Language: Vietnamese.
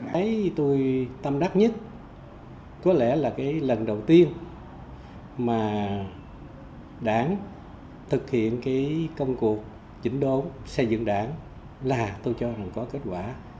ấy tôi tâm đắc nhất có lẽ là cái lần đầu tiên mà đảng thực hiện cái công cuộc chỉnh đấu xây dựng đảng là tôi cho rằng có kết quả